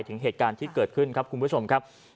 ถึงเหตุการณ์ที่เกิดขึ้นครับคุณผู้ชมครับ